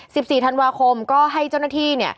๑๔อธิบดีก็ให้เจ้าหน้าที่